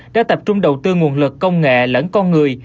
đã tập trung đầu tư nguồn lực công nghệ lẫn con người